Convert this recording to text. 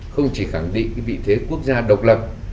không chỉ khẳng định vị thế quốc gia độc lập